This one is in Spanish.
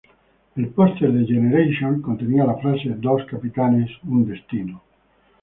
El póster de Generations contenía la frase "Dos Capitanes, Un Destino".